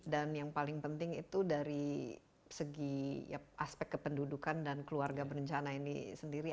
dan yang paling penting itu dari segi aspek kependudukan dan keluarga bencana ini sendiri